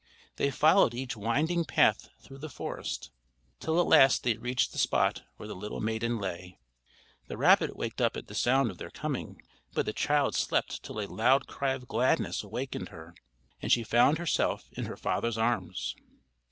They followed each winding path through the forest, till at last they reached the spot where the little maiden lay. The rabbit waked up at the sound of their coming, but the child slept till a loud cry of gladness awakened her and she found herself in her father's arms.